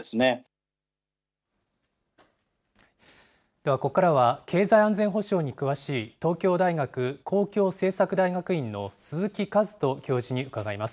ではここからは、経済安全保障に詳しい、東京大学公共政策大学院の鈴木一人教授に伺います。